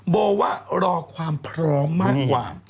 โบว่ารอความพร้อมมากกว่า